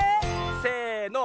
せの。